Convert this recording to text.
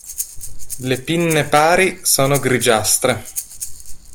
Le pinne pari sono grigiastre.